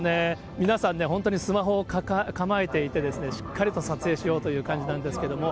皆さんね、本当にスマホを構えていて、しっかりと撮影しようという感じなんですけれども。